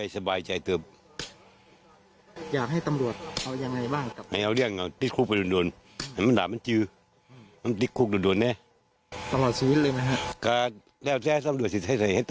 นี่ถือว่าเมาะนี้ไม่ดีแล้วเมาะจากบาปจากขุนจากโทษ